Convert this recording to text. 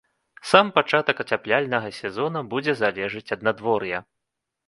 Сам пачатак ацяпляльнага сезона будзе залежаць ад надвор'я.